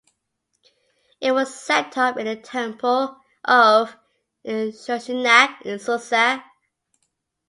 It was set up in the temple of Inshushinak in Susa.